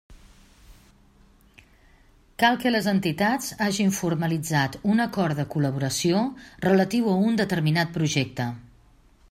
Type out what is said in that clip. Cal que les entitats hagin formalitzat un acord de col·laboració relatiu a un determinat projecte.